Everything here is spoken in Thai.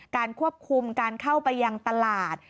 ควบคุมการเข้าไปยังตลาด